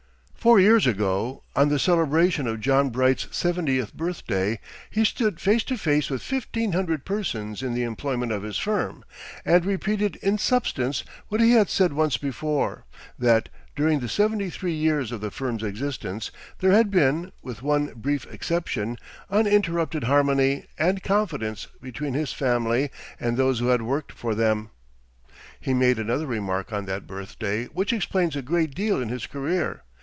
1883] Four years ago, on the celebration of John Bright's seventieth birthday, he stood face to face with fifteen hundred persons in the employment of his firm, and repeated in substance what he had said once before, that, during the seventy three years of the firm's existence, there had been, with one brief exception, uninterrupted harmony and confidence between his family and those who had worked for them. He made another remark on that birthday which explains a great deal in his career.